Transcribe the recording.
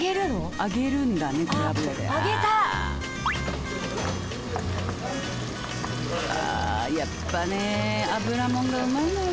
あやっぱね油もんがうまいのよ